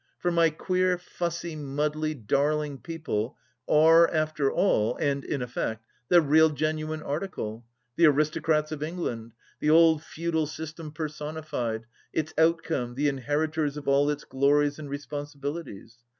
For my queer, fussy, muddly, darling people are, after all, and in effect, the real genuine article, the aristocrats of England, the old feudal system personified, its outcome, the inheritors of all its glories and responsibilities.